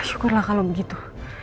syukurlah kalo begitu